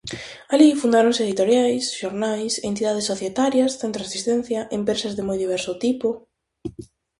Alí fundáronse editoriais, xornais, entidades societarias, centros de asistencia, empresas de moi diverso tipo...